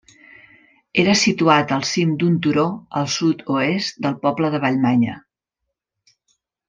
Era situat al cim d'un turó al sud-oest del poble de Vallmanya.